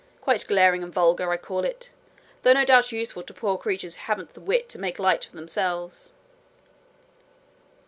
Quite glaring and vulgar, I call it, though no doubt useful to poor creatures who haven't the wit to make light for themselves.'